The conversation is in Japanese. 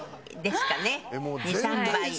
２３倍。